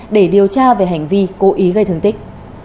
để điều tra về hành vi cố ý gây thương tích